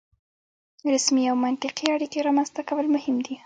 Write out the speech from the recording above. رسمي او منطقي اړیکې رامنځته کول مهم دي.